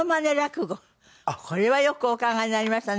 これはよくお考えになりましたね。